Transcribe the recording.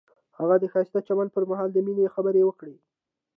هغه د ښایسته چمن پر مهال د مینې خبرې وکړې.